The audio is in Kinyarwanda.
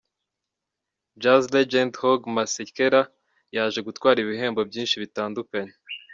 Jazz legend Hugh Masekela yaje gutwara ibihembo byinshi bitandukanye.